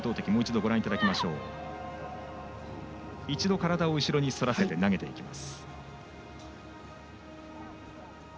一度、体をそらせて投げていきます。